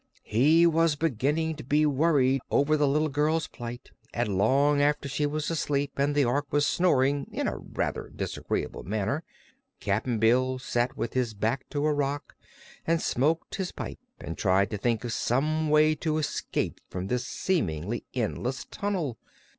He was beginning to be worried over the little girl's plight and long after she was asleep and the Ork was snoring in a rather disagreeable manner, Cap'n Bill sat with his back to a rock and smoked his pipe and tried to think of some way to escape from this seemingly endless tunnel.